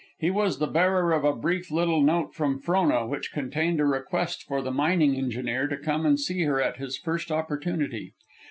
He was the bearer of a brief little note from Frona, which contained a request for the mining engineer to come and see her at his first opportunity.